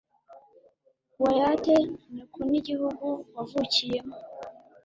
wayate nyoko n'igihugu wavukiyemo